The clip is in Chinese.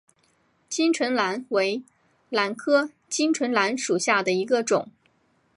巾唇兰为兰科巾唇兰属下的一个种。